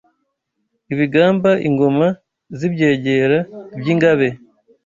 Ibigamba Ingoma z’ibyegera by’ingabe